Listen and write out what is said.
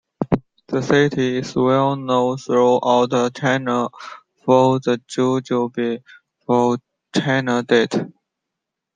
The city is well known throughout China for the jujube or Chinese Date.